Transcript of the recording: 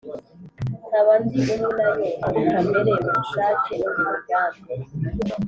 , nkaba ndi umwe na Yo muri kamere, mu bushake, no mu migambi.